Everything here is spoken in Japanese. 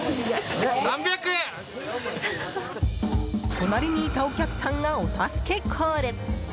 隣にいたお客さんがお助けコール！